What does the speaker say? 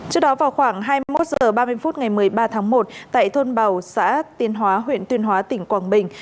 trước đó vào khoảng hai mươi một h ba mươi phút ngày một mươi ba tháng một tại thôn bào xã tiên hóa huyện tuyên hóa tỉnh quảng bình